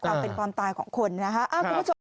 กลับเป็นความตายของคนนะครับ